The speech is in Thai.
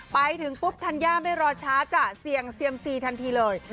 ไปถึงปุ๊บธัญญาไม่รอช้าจะเสี่ยงเซียมซีทันทีเลย